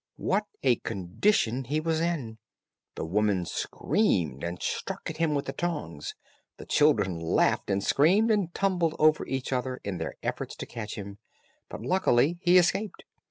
What a condition he was in! The woman screamed, and struck at him with the tongs; the children laughed and screamed, and tumbled over each other, in their efforts to catch him; but luckily he escaped.